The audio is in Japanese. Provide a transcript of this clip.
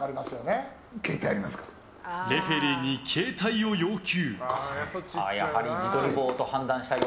レフェリーに携帯を要求。